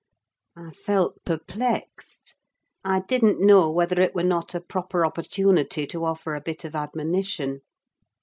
I felt perplexed: I didn't know whether it were not a proper opportunity to offer a bit of admonition.